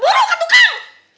buruh kak tukang